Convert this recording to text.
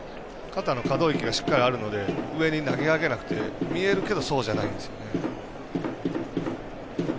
肩の可動域がしっかりあるので上に投げ上げなくて見えるけどそうじゃないんですよ。